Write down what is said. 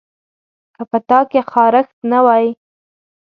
که په تا کې خارښت نه وای